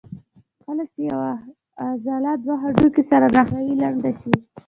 کله چې یوه عضله دوه هډوکي سره نښلوي لنډه شي.